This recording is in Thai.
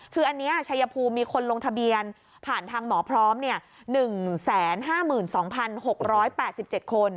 คืออันนี้ชัยภูมิมีคนลงทะเบียนผ่านทางหมอพร้อม๑๕๒๖๘๗คน